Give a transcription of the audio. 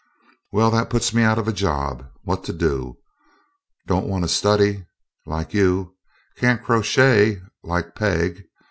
"Well, that puts me out of a job. What to do? Don't want to study, like you. Can't crochet, like Peg.